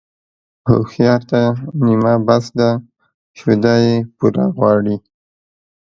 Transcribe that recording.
هوښيار ته نيمه بس ده ، شوده يې پوره غواړي.